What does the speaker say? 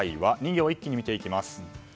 ２行を一気に見ていきます。